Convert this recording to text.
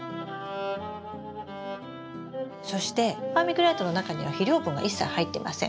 そしてバーミキュライトの中には肥料分が一切入ってません。